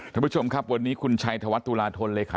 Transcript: ท่านผู้ชมครับวันนี้คุณชัยธวัฒนตุลาธนเลขา